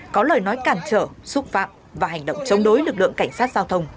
có lời nói cản trở xúc phạm và hành động chống đối lực lượng cảnh sát giao thông